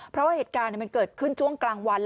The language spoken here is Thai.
เพราะว่าเหตุการณ์มันเกิดขึ้นช่วงกลางวัน